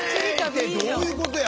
どういうことや？